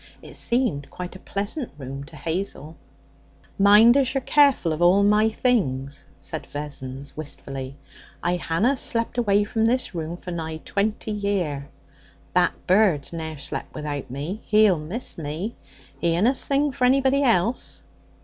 It seemed quite a pleasant room to Hazel. 'Mind as you're very careful of all my things,' said Vessons wistfully. 'I hanna slep away from this room for nigh twenty year. That bird's ne'er slep without me. He'll miss me. He unna sing for anybody else.'